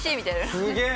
すげえ！